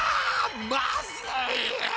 まずい！